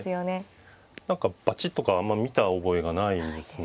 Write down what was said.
何かバチッとかあんまり見た覚えがないですね。